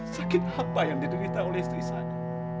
sakit apa yang diderita oleh istri saya